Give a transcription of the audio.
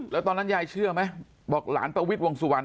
แล้วตอนนั้นยายเชื่อไหมบอกหลานประวิทย์วงสุวรรณ